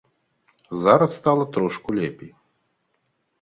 Зараз стала трошку лепей.